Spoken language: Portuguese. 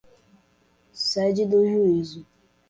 sede do juízo